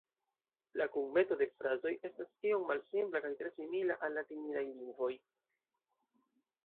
La kunmeto de frazoj estas iom malsimpla kaj tre simila al latinidaj lingvoj.